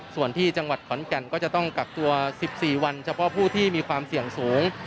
ส่วนที่จังหวัดขอนแก่นก็จะต้องกักตัว๑๔วันเฉพาะผู้ที่มีความเสี่ยงสูง